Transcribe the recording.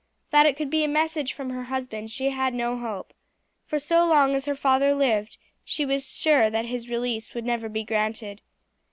That it could be a message from her husband she had no hope, for so long as her father lived she was sure that his release would never be granted.